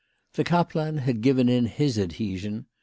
The kaplan had given in his adhesion.